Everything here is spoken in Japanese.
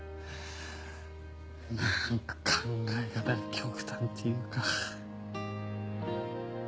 何か考え方が極端っていうか。